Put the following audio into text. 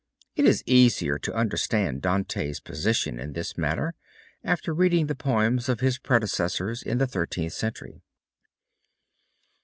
It is easier to understand Dante's position in this matter after reading the poems of his predecessors in the Thirteenth Century.